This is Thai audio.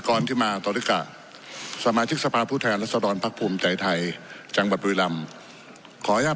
คำว่ากโกหกใช่ไหมครับ